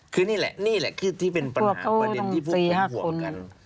คือนี่แหละที่เป็นปันหาประเด็นที่พวกพี่หังห่วงกัน